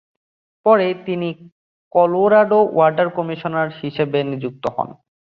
পরে তিনি Colorado water commissioner হিসেবে নিযুক্ত হন।